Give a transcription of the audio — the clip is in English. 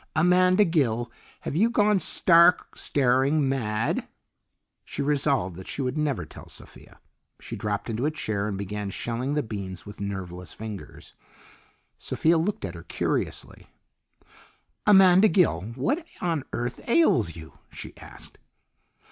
"Amanda Gill, have you gone stark staring mad?" She resolved that she would never tell Sophia. She dropped into a chair and begun shelling the beans with nerveless fingers. Sophia looked at her curiously. "Amanda Gill, what on earth ails you?" she asked.